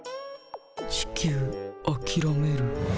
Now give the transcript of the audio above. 地球あきらめる？